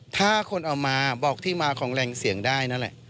ถ้าคนเอามาบอกที่มาของแรงเสี่ยงได้นั่นแหละ